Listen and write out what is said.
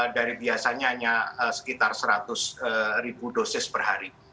dari biasanya hanya sekitar seratus ribu dosis per hari